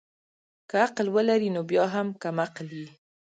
که عقل ولري نو بيا هم کم عقل يي